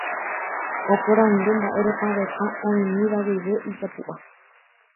Oporandu mba'érepa ovetã oĩmíva guive ijapu'a.